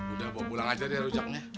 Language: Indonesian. udah bawa pulang aja deh rujaknya